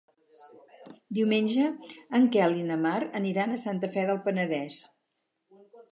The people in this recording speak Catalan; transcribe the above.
Diumenge en Quel i na Mar aniran a Santa Fe del Penedès.